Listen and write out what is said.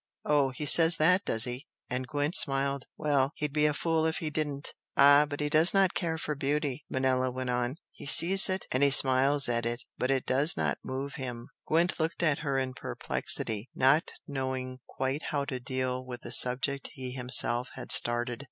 "Oh, he says that, does he?" and Gwent smiled "Well, he'd be a fool if he didn't!" "Ah, but he does not care for beauty!" Manella went on. "He sees it and he smiles at it, but it does not move him!" Gwent looked at her in perplexity, not knowing quite how to deal with the subject he himself had started.